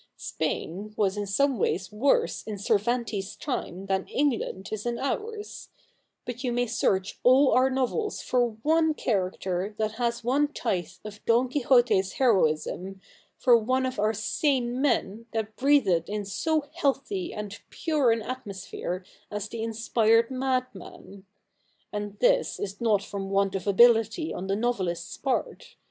Spain was in some ways worse in Cervantes' time than England is in ours ; but you may search all our novels for one character that has one tithe of Don Quixote's heroism, for one of our sane men that breathed in so healthy and pure an atmosphere as the inspired madman. And this is not from want of ability on the novelists' part.